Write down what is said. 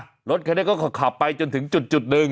รถคันนี้ก็ขับไปจนถึงจุดหนึ่ง